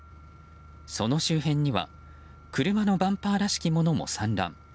その周辺には車のバンパーらしきものも散乱。